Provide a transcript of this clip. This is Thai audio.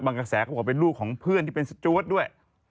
บางกระแสเขาบอกว่าเป็นลูกของเพื่อนที่เป็นสตรวจด้วย